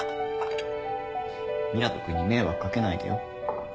湊斗君に迷惑かけないでよ。